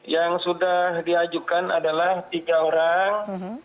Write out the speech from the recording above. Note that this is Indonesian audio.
yang sudah diajukan adalah tiga orang